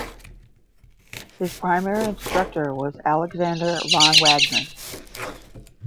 His primary instructor was Alexander von Wagner.